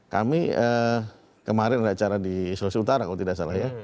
kami kemarin ada acara di sulawesi utara kalau tidak salah ya